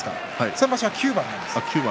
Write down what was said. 先場所は９番です。